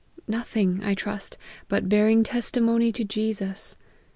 Nothing, I trust, but bearing testimony to Jesus.